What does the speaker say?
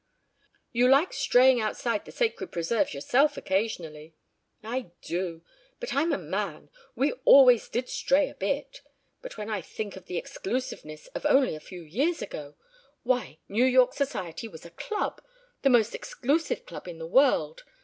"You like straying outside the sacred preserves yourself occasionally." "I do. But I'm a man. We always did stray a bit. But when I think of the exclusiveness of only a few years ago! Why, New York Society was a Club. The most exclusive club in the world.